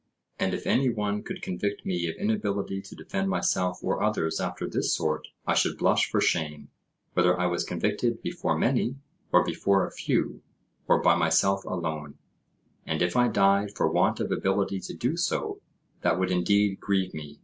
And if any one could convict me of inability to defend myself or others after this sort, I should blush for shame, whether I was convicted before many, or before a few, or by myself alone; and if I died from want of ability to do so, that would indeed grieve me.